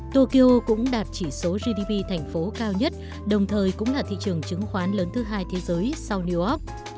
tokyo cũng đạt chỉ số gdp thành phố cao nhất đồng thời cũng là thị trường chứng khoán lớn thứ hai thế giới sau new york